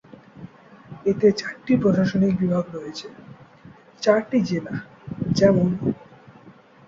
এতে চারটি প্রশাসনিক বিভাগ রয়েছে: চারটি জেলা, যেমন।